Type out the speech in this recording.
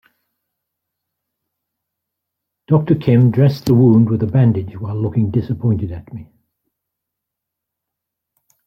Doctor Kim dressed the wound with a bandage while looking disappointed at me.